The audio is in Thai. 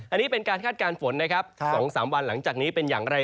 อันนี้เป็นการคาดการณ์ฝนนะครับ๒๓วันหลังจากนี้เป็นอย่างไร